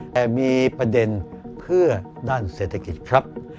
แต่มีประเด็นเพื่อด้านเศรษฐกิจครับ